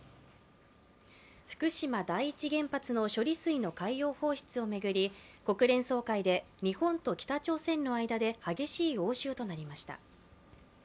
福島第一原発の処理水の海洋放出をめぐり国連総会で日本と北朝鮮の間で激しい応酬となりました。